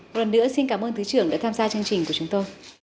một lần nữa xin cảm ơn thứ trưởng đã tham gia chương trình của chúng tôi